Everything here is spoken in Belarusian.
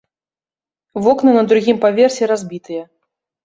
Вокны на другім паверсе разбітыя.